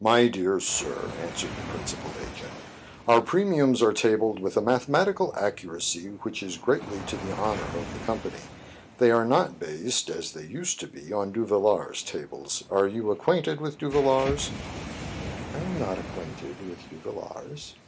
"My dear sir," answered the principal agent, "our premiums are tabled with a mathematical accuracy which is greatly to the honor of the company. They are not based, as they used to be, on Duvillars' tables. Are you acquainted with Duvillars >" "I am not acquainted with Duvillars."